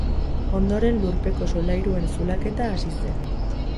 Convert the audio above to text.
Ondoren lurpeko solairuen zulaketa hasi zen.